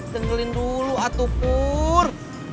tenggelin dulu atuh pur